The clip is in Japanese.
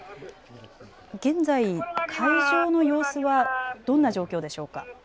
現在、会場の様子はどんな状況でしょうか。